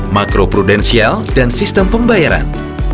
makroprudensial dan sistem pembayaran